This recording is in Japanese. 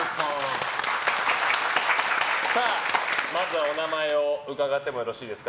まずはお名前を伺ってもいいですか。